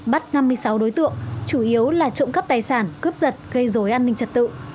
bắt năm mươi sáu đối tượng chủ yếu là trộm cắp tài sản cướp giật gây dối an ninh trật tự